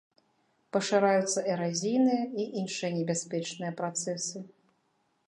Пашыраюцца эразійныя і іншыя небяспечныя працэсы.